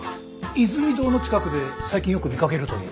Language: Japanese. イズミ堂の近くで最近よく見かけるという。